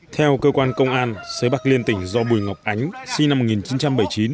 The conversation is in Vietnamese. theo cơ quan công an sới bạc liên tỉnh do bùi ngọc ánh sinh năm một nghìn chín trăm bảy mươi chín